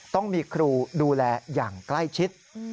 ต้องมีครูดูแลอย่างใกล้ชิด